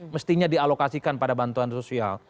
mestinya dialokasikan pada bantuan sosial